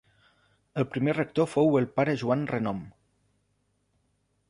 El primer rector fou el Pare Joan Renom.